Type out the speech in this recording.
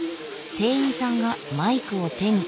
店員さんがマイクを手に。